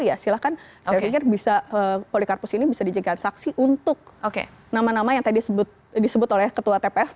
ya silahkan saya pikir bisa polikarpus ini bisa dijaga saksi untuk nama nama yang tadi disebut oleh ketua tpf